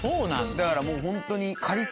だからもうホントに。